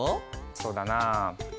そうだな。